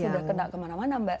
sudah kena kemana mana mbak